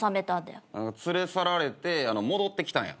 連れ去られて戻ってきたんや。